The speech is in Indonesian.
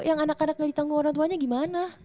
yang anak anaknya di tanggung orangtuanya gimana